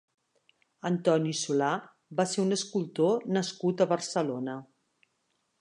Antoni Solà va ser un escultor nascut a Barcelona.